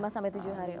lima sampai tujuh hari